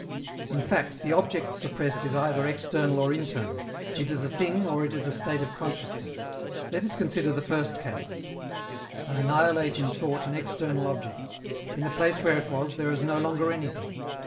In fact, the object suppressed is either external or internal: it is a thing or it is a state of consciousness. Let us consider the first case. I annihilate in thought an external object: in the place where it was, there is no longer anything.